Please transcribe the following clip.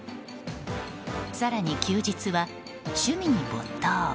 更に休日は趣味に没頭。